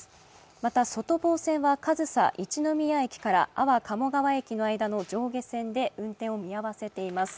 また、外房線は上総一ノ宮駅から安房鴨川駅の間の上下線で運転を見合わせています。